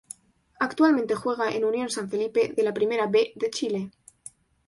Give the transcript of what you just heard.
Actualmente juega en Unión San Felipe de la Primera B de Chile.